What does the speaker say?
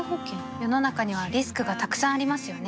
世の中にはリスクがたくさんありますよね